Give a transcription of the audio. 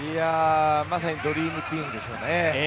まさにドリームチームでしょうね。